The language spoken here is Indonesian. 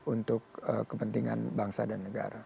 untuk kepentingan bangsa dan negara